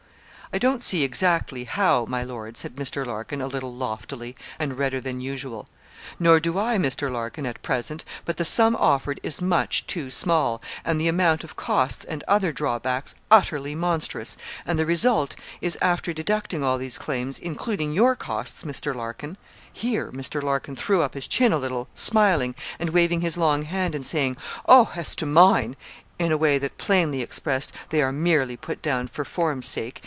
'I don't see exactly how, my lord,' said Mr. Larkin, a little loftily, and redder than usual. 'Nor do I, Mr. Larkin, at present; but the sum offered is much too small, and the amount of costs and other drawbacks utterly monstrous, and the result is, after deducting all these claims, including your costs, Mr. Larkin ' Here Mr. Larkin threw up his chin a little, smiling, and waving his long hand, and saying, 'Oh! as to mine,' in a way that plainly expressed, 'They are merely put down for form's sake.